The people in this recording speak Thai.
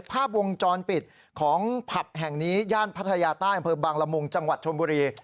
ภาพวงจรปิดของผับแห่งนี้ย่านพัทยาใต้อำเภอบางละมุงจังหวัดชนบุรี